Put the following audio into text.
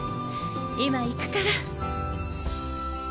今いくから。